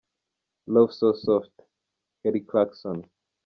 "Love So Soft" - Kelly Clarkson.